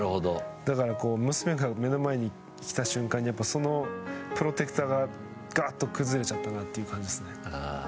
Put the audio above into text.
だから、娘が目の前に来た瞬間にそのプロテクターがガッと崩れちゃったなという感じですね。